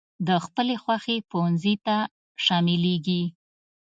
د خپلې خوښي پونځي ته شاملېږي.